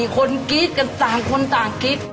คนกรี๊ดกันต่างคนต่างกรี๊ด